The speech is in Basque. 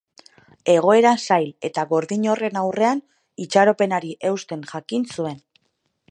Egoera zail eta gordin horren aurrean itxaropenari eusten jakin zuen.